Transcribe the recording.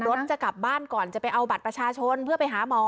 จะกลับบ้านก่อนจะไปเอาบัตรประชาชนเพื่อไปหาหมอ